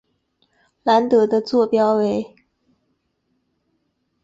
兰德的座标为。